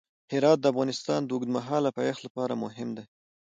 هرات د افغانستان د اوږدمهاله پایښت لپاره مهم دی.